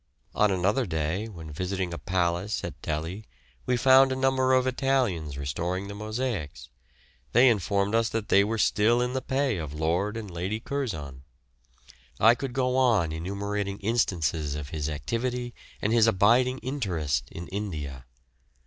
On another day, when visiting a palace at Delhi, we found a number of Italians restoring the mosaics; they informed us they were still in the pay of Lord and Lady Curzon. I could go on enumerating instances of his activity and his abiding interest in India.